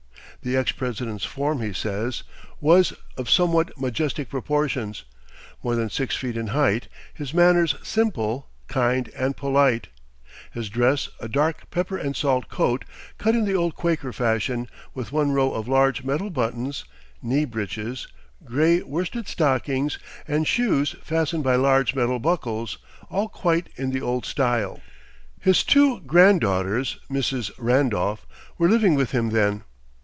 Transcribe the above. The ex President's form, he says, was of somewhat majestic proportions, more than six feet in height; his manners simple, kind, and polite; his dress a dark pepper and salt coat, cut in the old Quaker fashion, with one row of large metal buttons, knee breeches, gray worsted stockings, and shoes fastened by large metal buckles, all quite in the old style. His two grand daughters, Misses Randolph, were living with him then.